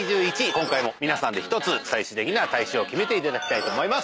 今回も皆さんで１つ大賞を決めていただきたいと思います。